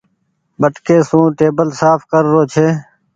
ٻٽڪي سون ٽيبل سآڦ ڪر رو ڇي۔